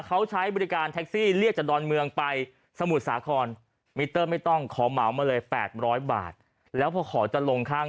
เขาใช้บริการท็ะกซี่เรียกจากดอนเมืองไปสมุดสากร